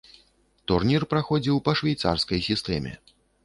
Турнір праходзіў па швейцарскай сістэме.